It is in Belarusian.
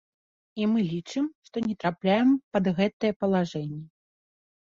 І мы лічым, што не трапляем пад гэтае палажэнне.